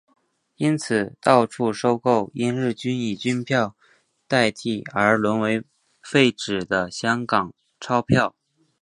因此到处收购因日军以军票代替而沦为废纸的香港钞票。